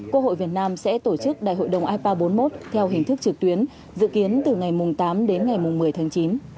quốc hội việt nam sẽ tổ chức đại hội đồng ipa bốn mươi một theo hình thức trực tuyến dự kiến từ ngày tám đến ngày một mươi tháng chín